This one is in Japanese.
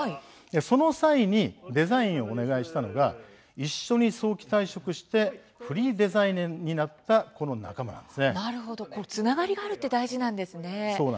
その際にデザインをお願いしたのが一緒に早期退職してフリーデザイナーになったつながりがあるって大事なんですね。